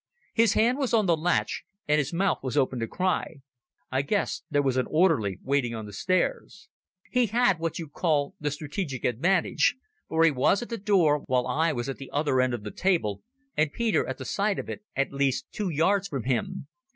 His hand was on the latch, and his mouth was open to cry. I guessed there was an orderly waiting on the stairs. He had what you call the strategic advantage, for he was at the door while I was at the other end of the table and Peter at the side of it at least two yards from him.